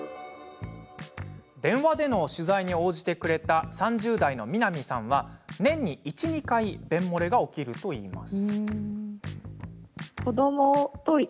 電話での取材に応じてくれた３０代のみなみさんは年に１、２回便もれが起きるといいます。